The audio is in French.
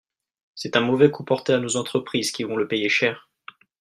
C’est un mauvais coup porté à nos entreprises qui vont le payer cher.